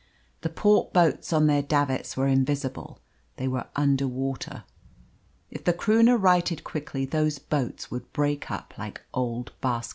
The port boats on their davits were invisible; they were under water. If the Croonah righted quickly those boats would break up like old baskets.